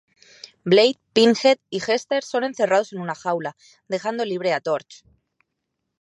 Blade, Pinhead y Jester, son encerrados en una jaula, dejando libre a Torch.